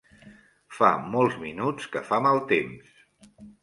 Fa molts minuts que fa mal temps.